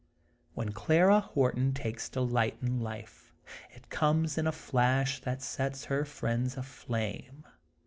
When Clara Horton takes delight in life, it comes in a flash that sets her friends aflame.